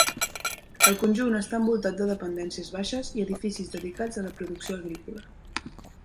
El conjunt està envoltat de dependències baixes i edificis dedicats a la producció agrícola.